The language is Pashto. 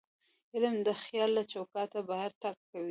علم د خیال له چوکاټه بهر تګ کوي.